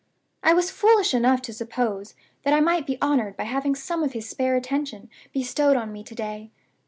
I was foolish enough to suppose that I might be honored by having some of his spare attention bestowed on me to day.